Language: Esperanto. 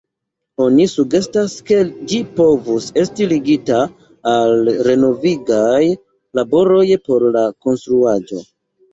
Oni sugestas, ke ĝi povus esti ligita al renovigaj laboroj por la konstruaĵo.